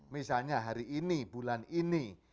misalnya hari ini bulan ini